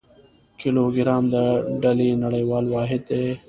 کیلوګرام د ډلي نړیوال واحد دی.